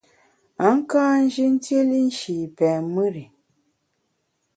A ka nji ntiéli nshi pèn mùr i.